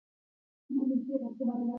جواهرات د افغانستان د انرژۍ سکتور برخه ده.